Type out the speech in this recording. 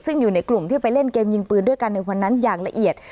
ซึ่งอยู่ในกลุ่มที่ไปเล่นเกมยิงปืนด้วยกันในวันนั้นอย่างละเอียด